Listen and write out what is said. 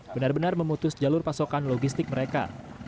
benar benar memutus jalur pasokan logistik mereka